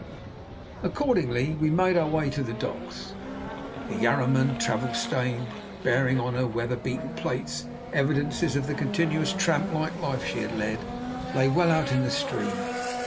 Accordingly, we made our way to the docks. The Yarraman, travel stained, and bearing on her weather beaten plates evidences of the continuous tramp like life she had led, lay well out in the stream.